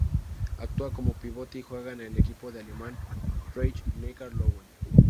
Actúa como pivote y juega en el equipo alemán Rhein-Neckar Löwen.